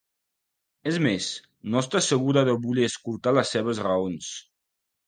És més, no està segura de voler escoltar les seves raons.